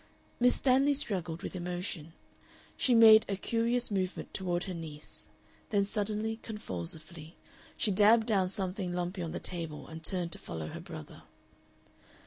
Miss Stanley struggled with emotion. She made a curious movement toward her niece, then suddenly, convulsively, she dabbed down something lumpy on the table and turned to follow her brother.